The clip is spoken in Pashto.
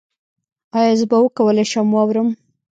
ایا زه به وکولی شم واورم؟